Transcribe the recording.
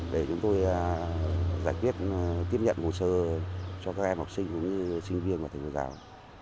và giải quyết tiếp nhận bổ sơ cho các em học sinh cũng như sinh viên và thầy cô giáo